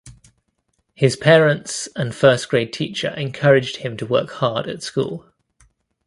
His parents and first grade teacher encouraged him to work hard at school.